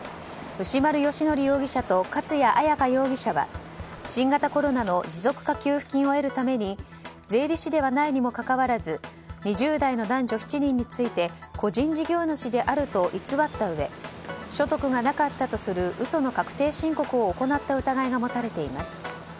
牛丸由規容疑者と勝谷彩夏容疑者は、新型コロナの持続化給付金を得るために税理士ではないにもかかわらず２０代の男女７人について個人事業主であると偽ったうえで所得がなかったとする嘘の確定申告を行った疑いが持たれています。